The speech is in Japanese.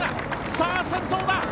さあ、先頭だ！